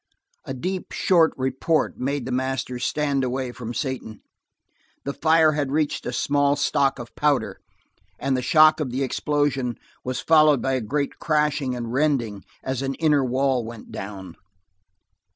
A deep, short report made the master stand away from Satan. The fire had reached a small stock of powder, and the shock of the explosion was followed by a great crashing and rending as an inner wall went down.